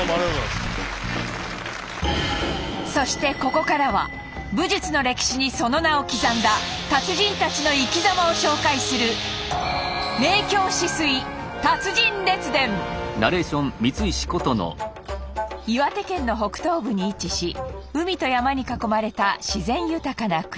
そしてここからは武術の歴史にその名を刻んだ達人たちの生きざまを紹介する岩手県の北東部に位置し海と山に囲まれた自然豊かな久慈市。